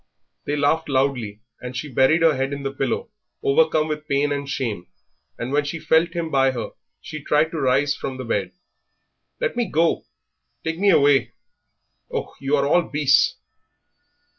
They laughed loudly, and she buried her head in the pillow, overcome with pain and shame; and when she felt him by her she tried to rise from the bed. "Let me go! take me away! Oh, you are all beasts!"